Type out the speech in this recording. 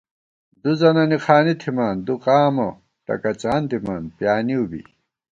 دُوزَنَنی خانی تھِمان دُو قامہ ٹکَڅان دِمان پیانِؤ بی